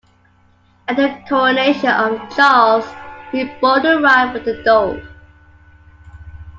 At the coronation of Charles he bore the rod with the dove.